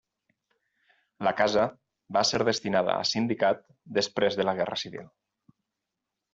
La casa va ser destinada a sindicat després de la guerra civil.